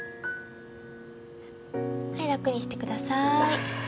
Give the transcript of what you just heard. はい楽にしてくださーい。